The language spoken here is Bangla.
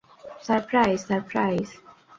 Surprise, surprise!